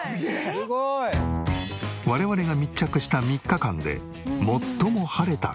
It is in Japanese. すごい！我々が密着した３日間で最も晴れたこの日。